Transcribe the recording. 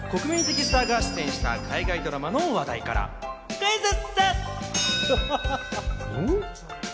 まずは国民的スターが出演した海外ドラマの話題から、クイズッス！